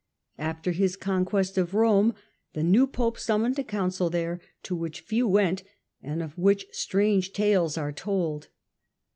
After his conquest of Rome, 1410 1415 {he new Pope summoned a Council there, to which few went and of which strange tales are told.